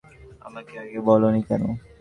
আমাকে আগে বলোনি কেন?